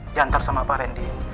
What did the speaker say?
diantar sama pak randy